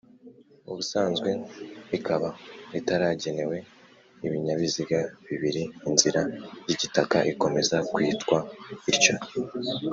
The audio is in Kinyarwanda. ubusanzwe ikaba itaragenewe ibinyabiziga bibiri Inzira y igitaka ikomeza kwitwa ityo